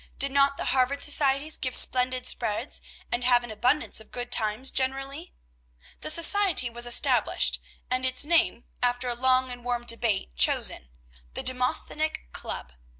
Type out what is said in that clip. Did not the Harvard societies give splendid spreads, and have an abundance of good times generally? The society was established, and its name, after a long and warm debate, chosen: "The Demosthenic Club."